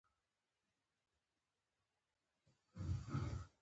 هماغلته په لویه جزیره کې یو رستورانت هم و، خو نصیب مو نه و.